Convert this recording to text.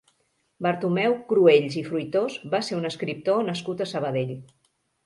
Bartomeu Cruells i Fruitós va ser un escriptor nascut a Sabadell.